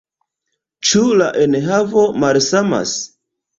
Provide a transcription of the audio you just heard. Ĉu la enhavo malsamas?